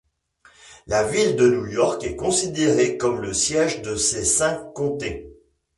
La ville de New York est considérée comme le siège de ses cinq comtés.